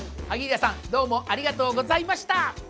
萩平さんどうもありがとうございました。